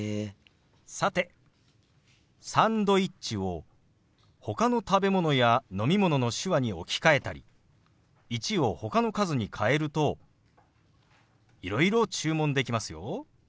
さて「サンドイッチ」をほかの食べ物や飲み物の手話に置き換えたり「１」をほかの数に変えるといろいろ注文できますよ。